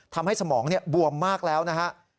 ทำให้สมองบวมมากแล้วนะฮะ